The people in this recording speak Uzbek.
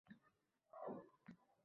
– Sizni tanigandek bo‘lyapman, mehmon